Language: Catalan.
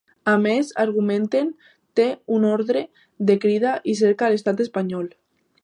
A més, argumenten, té una ordre de crida i cerca a l’estat espanyol.